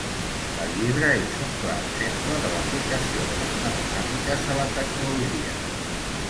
El llibre és un clar exemple de l'aplicació de les matemàtiques a la tecnologia.